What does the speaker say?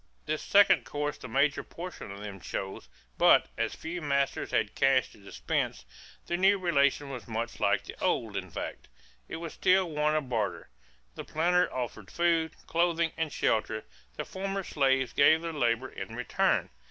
This second course the major portion of them chose; but, as few masters had cash to dispense, the new relation was much like the old, in fact. It was still one of barter. The planter offered food, clothing, and shelter; the former slaves gave their labor in return.